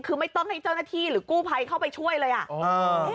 คือไม่ต้องให้เจ้าหน้าที่หรือกู้ภัยเข้าไปช่วยเลยอ่ะ